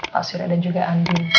pak surya dan juga andi